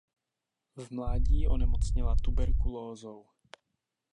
V mládí onemocněla tuberkulózou.